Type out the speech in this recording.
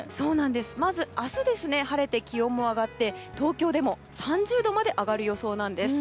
まず明日晴れて気温も上がって東京でも３０度まで上がる予想なんです。